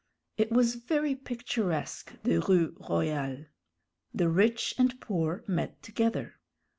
It was very picturesque, the Rue Royale. The rich and poor met together.